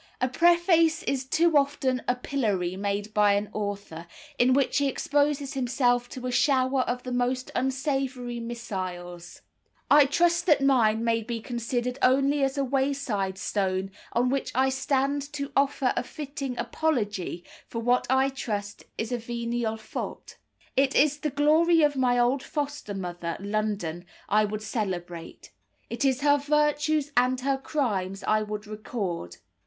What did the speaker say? A preface is too often a pillory made by an author, in which he exposes himself to a shower of the most unsavoury missiles. I trust that mine may be considered only as a wayside stone on which I stand to offer a fitting apology for what I trust is a venial fault. It is the glory of my old foster mother, London, I would celebrate; it is her virtues and her crimes I would record.